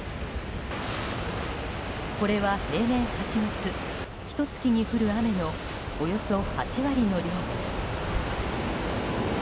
これは平年８月ひと月に降る雨のおよそ８割の量です。